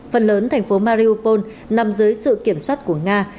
phần lớn thành phố mariopol nằm dưới sự kiểm soát của nga